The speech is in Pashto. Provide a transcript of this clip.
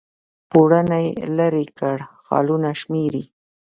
پوړونی لیري کړ خالونه شمیري